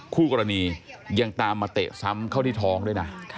คู่กรณียังตามมาเตะซ้ำเข้าที่ท้องด้วยนะ